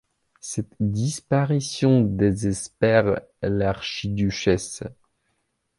Cette disparition désespère l'archiduchesse.